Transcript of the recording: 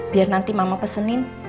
biar nanti mama pesenin